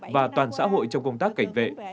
và toàn xã hội trong công tác cảnh vệ